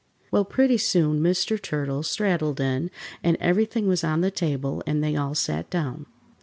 Well, pretty soon Mr. Turtle straddled in, and everything was on the table and they all sat down.